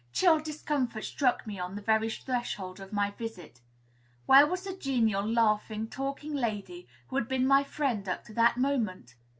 Chill discomfort struck me on the very threshold of my visit. Where was the genial, laughing, talking lady who had been my friend up to that moment?